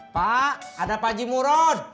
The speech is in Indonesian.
pak ada pak haji muron